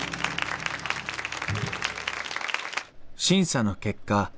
審査の結果